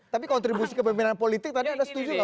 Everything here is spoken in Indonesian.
tapi kontribusi ke pemerintahan politik tadi anda setuju gak